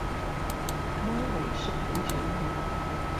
猫雷是陪酒女